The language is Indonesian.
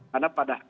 karena pada akhirnya